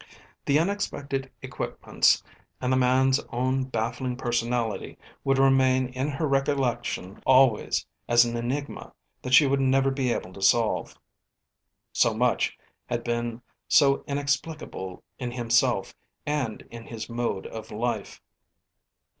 The unexpected equipments and the man's own baffling personality would remain in her recollection always as an enigma that she would never be able to solve. So much had been so inexplicable in himself and in his mode of life.